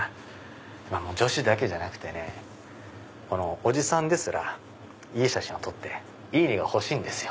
今女子だけじゃなくておじさんですらいい写真を撮っていいね！が欲しいんですよ。